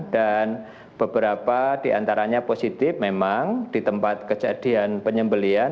dan beberapa diantaranya positif memang di tempat kejadian penyembelian